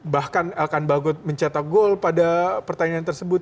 bahkan elkan bagot mencetak gol pada pertandingan tersebut